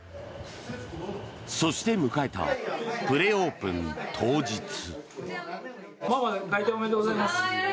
そして迎えたプレオープン当日。